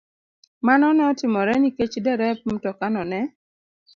Mano ne otimore nikech derep mtokano ne